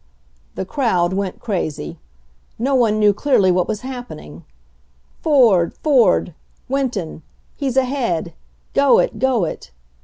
The crowd went crazy. No one knew clearly what was happening, "Ford! Ford! Winton! He's ahead! Go it, go it!